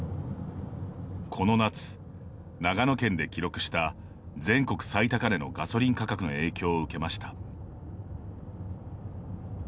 この夏、長野県で記録した全国最高値のガソリン価格の影響を受けました。